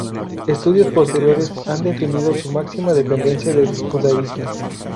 Estudios posteriores han definido su máxima dependencia del judaísmo.